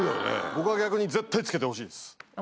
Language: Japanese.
僕は逆に絶対つけてほしい。